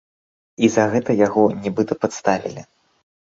І за гэта яго, нібыта, падставілі.